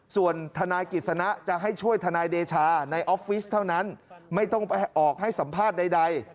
ส่วนทนายกิจสนะจะให้ช่วยทนายเดชาในออฟฟิศเท่านั้นไม่ต้องออกให้สัมภาษณ์ใด